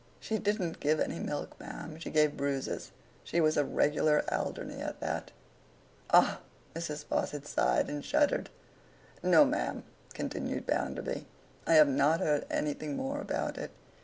She didn't give any milk, ma'am; she gave bruises. She was a regular Alderney at that.' 'Ah!' Mrs. Sparsit sighed and shuddered. 'No, ma'am,' continued Bounderby, 'I have not heard anything more about it.